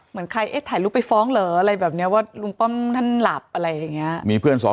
เหมือนใครเอชถ่ายลูกไปฟ้องเหรอว่าลุงป้อมท่านหลับอะไรแบบนี้